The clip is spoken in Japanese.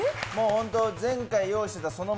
前回用意していたもの